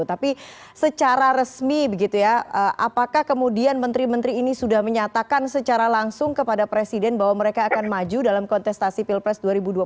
tapi secara resmi begitu ya apakah kemudian menteri menteri ini sudah menyatakan secara langsung kepada presiden bahwa mereka akan maju dalam kontestasi pilpres dua ribu dua puluh